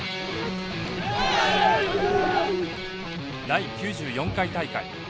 第９４回大会。